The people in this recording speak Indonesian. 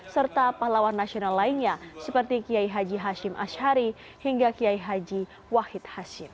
serta pahlawan nasional lainnya seperti kiai haji hashim ashari hingga kiai haji wahid hashim